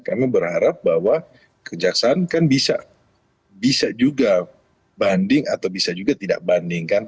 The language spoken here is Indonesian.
kami berharap bahwa kejaksaan kan bisa juga banding atau bisa juga tidak bandingkan